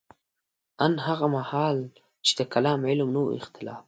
ان هغه مهال چې د کلام علم نه و اختلاف وو.